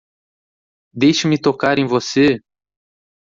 Deixe-me tocar em você!